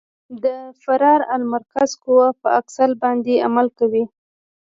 فرار المرکز قوه په اکسل باندې عمل کوي